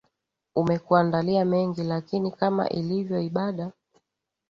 umekuandalia mengi lakini kama ilivyo ibada